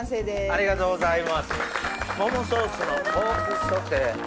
ありがとうございます。